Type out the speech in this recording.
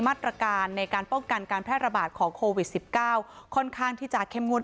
มาตรการในการป้องกันการแพร่ระบาดของโควิด๑๙ค่อนข้างที่จะเข้มงวด